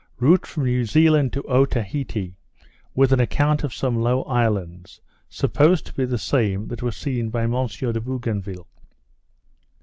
_Route from New Zealand to Otaheite, with an Account of some low Islands, supposed to be the same that were seen by M. de Bougainville.